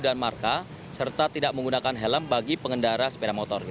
dan marka serta tidak menggunakan helm bagi pengendara sepeda motor